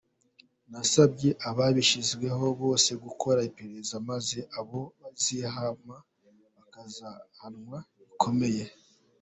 Nasabye ababishinzwe bose gukora iperereza maze abo bizahama bakazahanwa bikomeye.